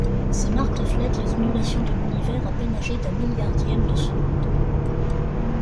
Ces marques reflètent les ondulations de l'Univers à peine âgé d'un milliardième de seconde.